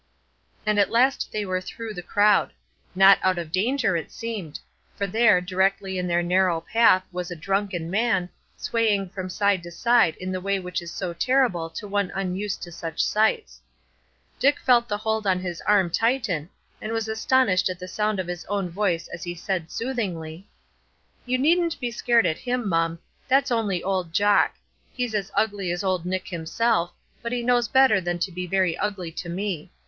And at last they were through the crowd. Not out of danger, it seemed; for there, directly in their narrow path, was a drunken man, swaying from side to side in the way which is so terrible to one unused to such sights. Dick felt the hold on his arm tighten, and was astonished at the sound of his own voice as he said, soothingly: "You needn't be scared at him, mum; that's only old Jock; he's as ugly as old Nick himself, but he knows better than to be very ugly to me.